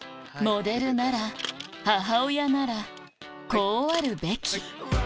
「モデルなら母親ならこうあるべき」